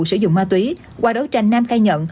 sử dụng ma túy qua đấu tranh nam khai nhận